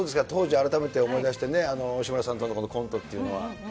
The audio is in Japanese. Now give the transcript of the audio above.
当時を改めて思い出してね、志村さんとの、このコントっていうのは。